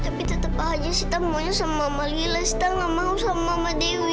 tapi tetap aja sita maunya sama mama lila sita gak mau sama mama dewi